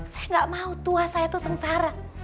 saya gak mau tua saya tuh sengsara